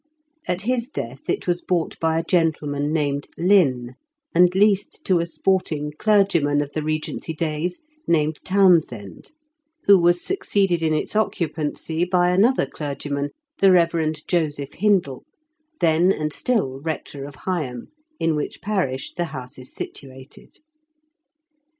At his death it was bought by a gentleman named Lynn, and leased to a sporting clergyman of the Regency days named Townshend, who was succeeded in its occupancy by another clergy man, the Rev. Joseph Hindle, then and still rector of Higham, in which parish the house is situated.